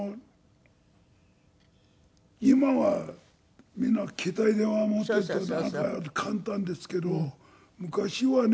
今はみんな携帯電話持っていて簡単ですけど昔はね